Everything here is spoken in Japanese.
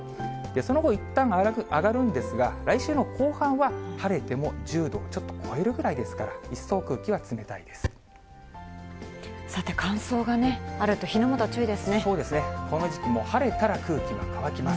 その後、いったん上がるんですが、来週の後半は晴れても１０度ちょっと超えるぐらいですから、さて、そうですね、この時期も晴れたら空気は乾きます。